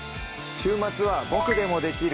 週末は「ボクでもできる！